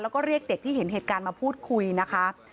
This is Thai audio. แล้วก็เรียกเด็กที่เห็นเหตุการณ์มาพูดคุยนะคะ